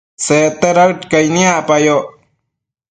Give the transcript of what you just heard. Secte daëd caic niacpayoc